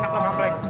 enak mamah frank